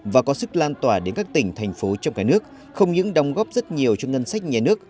và có sức lan tỏa đến các tỉnh thành phố trong cả nước không những đóng góp rất nhiều cho ngân sách nhà nước